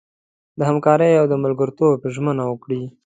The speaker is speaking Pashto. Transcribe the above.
د همکارۍ او ملګرتوب ژمنه وکړي.